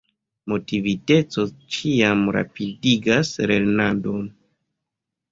Motiviteco ĉiam rapidigas lernadon.